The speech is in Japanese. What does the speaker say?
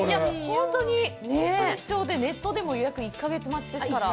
本当に貴重でネットでも予約１か月待ちですから。